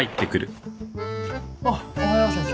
・おうおはよう先生。